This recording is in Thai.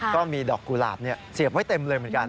ก็มีดอกกุหลาบเสียบไว้เต็มเลยเหมือนกัน